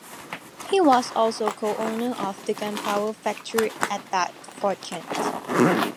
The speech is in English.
He was also co-owner of the gunpowder factory at Dartford, Kent.